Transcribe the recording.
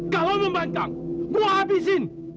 kalau membantang gua habisin